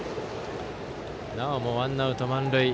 なおもワンアウト満塁。